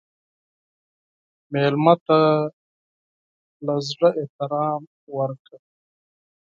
مېلمه ته له زړه احترام ورکړه.